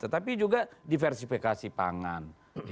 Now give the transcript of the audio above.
tetapi juga diversifikasi pangan